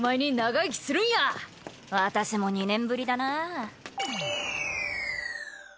私も２年ぶりだな。